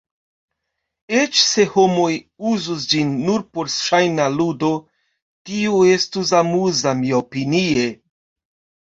Eĉ se homoj uzus ĝin nur por ŝajna ludo, tio estus amuza, miaopinie.